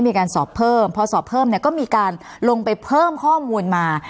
มีการสอบเพิ่มพอสอบเพิ่มเนี่ยก็มีการลงไปเพิ่มข้อมูลมา